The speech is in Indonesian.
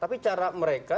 tapi cara mereka